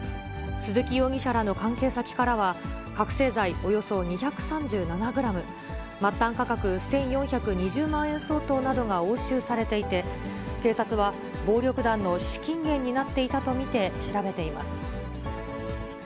鈴木容疑者らの関係先からは覚醒剤およそ２３７グラム、末端価格１４２０万円相当などが押収されていて、警察は、暴力団の資金源になっていたと見て調べています。